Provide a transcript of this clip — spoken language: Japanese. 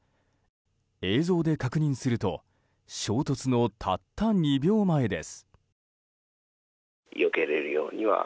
映像で確認すると衝突のたった２秒前です。